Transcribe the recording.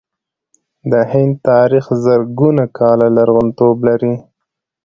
د هند تاریخ زرګونه کاله لرغونتوب لري.